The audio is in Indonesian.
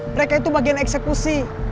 mereka itu bagian eksekusi